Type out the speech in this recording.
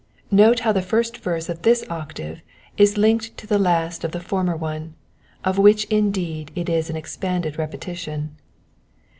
Note now the first Terse of this octave is linked to the last of the former one, of which indeed it is an expanded repetition.